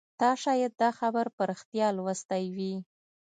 تا شاید دا خبر په ریښتیا لوستی وي